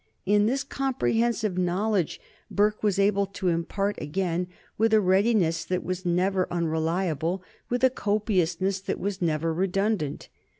And this comprehensive knowledge Burke was able to impart again with a readiness that was never unreliable, with a copiousness that was never redundant.